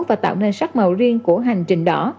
và tạo nên sắc màu riêng của hành trình đỏ